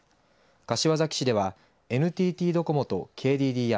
柏崎市ではＮＴＴドコモとＫＤＤＩ